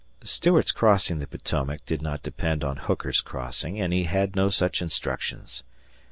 Stuart's crossing the Potomac did not depend on Hooker's crossing, and he had no such instructions.